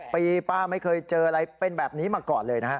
ปีป้าไม่เคยเจออะไรเป็นแบบนี้มาก่อนเลยนะฮะ